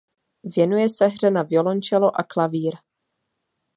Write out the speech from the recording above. Věnuje se hře na violoncello a klavír.